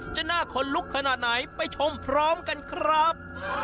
หน้าขนลุกขนาดไหนไปชมพร้อมกันครับ